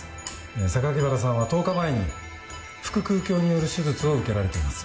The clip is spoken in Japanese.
榊原さんは１０日前に腹腔鏡による手術を受けられています。